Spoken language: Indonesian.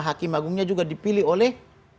hakim agungnya juga dipilih oleh